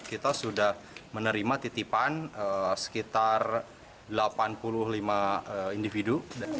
kita sudah menerima titipan sekitar delapan puluh lima individu